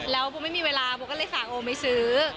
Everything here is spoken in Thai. แล้วโบไม่มีเวลาโบก็เลยสั่งโอไปซื้อ